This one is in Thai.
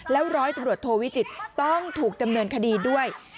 ร้อยตำรวจโทวิจิตต้องถูกดำเนินคดีด้วย